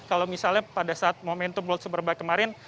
kalau misalnya pada saat momentum world superbike kemarin